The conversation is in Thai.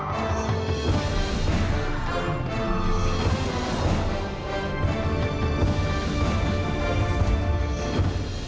โปรดติดตามตอนต่อไป